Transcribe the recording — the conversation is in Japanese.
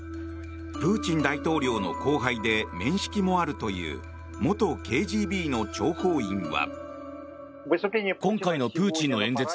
プーチン大統領の後輩で面識もあるという元ＫＧＢの諜報員は。